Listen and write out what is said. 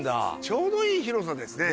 ちょうどいい広さですね。